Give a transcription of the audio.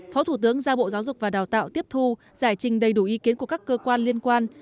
phó thủ tướng ra bộ giáo dục và đào tạo tiếp thu giải trình đầy đủ ý kiến của các cơ quan liên quan